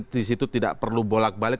di situ tidak perlu bolak balik